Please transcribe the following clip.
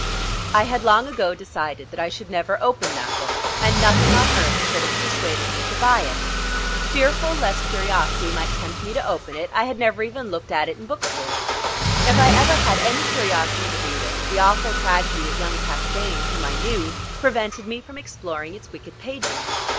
I had long ago decided that I should never open that book, and nothing on earth could have persuaded me to buy it. Fearful lest curiosity might tempt me to open it, I had never even looked at it in book stores. If I ever had had any curiosity to read it, the awful tragedy of young Castaigne, whom I knew, prevented me from exploring its wicked pages.